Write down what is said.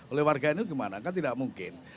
oleh warga ini gimana kan tidak mungkin